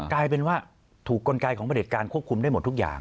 กลายเป็นว่าถูกกลไกของผลิตการควบคุมได้หมดทุกอย่าง